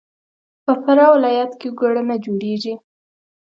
په فراه ولایت کې ګوړه نه جوړیږي.